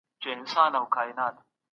ژبه د انساني ټولنې په څېر زېږي.